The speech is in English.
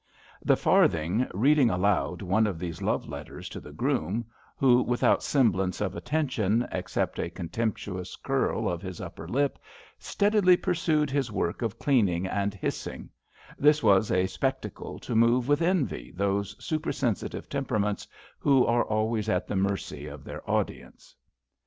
"The Farthing" reading aloud one of these love letters to the groom, who, without semblance of attention except a contemptuous curl of his upper lip, steadily pursued his work of cleaning and hissing — this was a spectacle to move with envy those supersensitive temperaments who are always at the mercy of their audience.